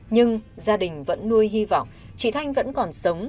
nhưng gia đình vẫn nuôi hy vọng chị thanh vẫn còn sống